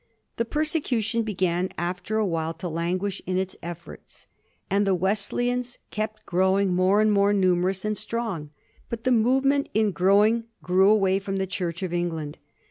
The persecution began after a while to languish in its efforts, and the Wesleyans kept growing more and more numerous and strong. But the movement in growing grew away from the Church of England.